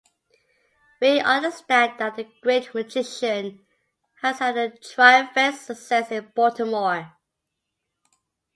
We understand that the great magician has had a triumphant success in Baltimore.